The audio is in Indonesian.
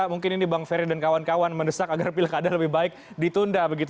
mungkin ini bang ferry dan kawan kawan mendesak agar pilkada lebih baik ditunda begitu